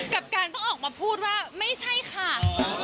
กับการต้องออกมาพูดว่าไม่ใช่ค่ะ